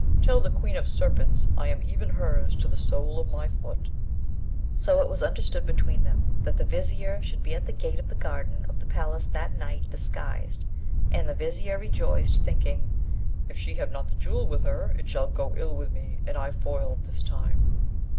Tell the Queen of Serpents I am even hers to the sole of my foot.' So it was understood between them that the Vizier should be at the gate of the garden of the palace that night, disguised; and the Vizier rejoiced, thinking, 'If she have not the Jewel with her, it shall go ill with me, and I foiled this time!'